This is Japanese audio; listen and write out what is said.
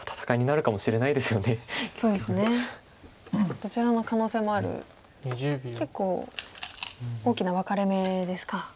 どちらの可能性もある結構大きな分かれ目ですか。